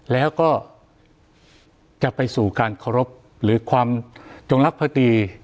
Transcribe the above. แล้วก็จะไปสู่การเคารพหรือความจงรักภดี